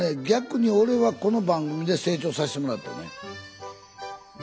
逆に俺はこの番組で成長させてもらったね。